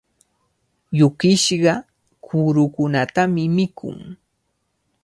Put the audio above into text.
Yukishqa kurukunatami mikun.